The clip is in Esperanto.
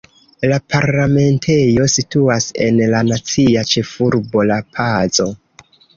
La parlamentejo situas en la nacia ĉefurbo La-Pazo.